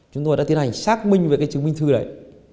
chúng tôi đã tiến hành xác minh về cái chứng minh thư đấy